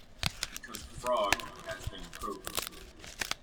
Because the frog has been croaking.